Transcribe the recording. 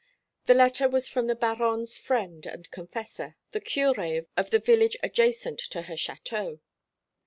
The letter was from the Baronne's friend and confessor, the curé of the village adjacent to her château.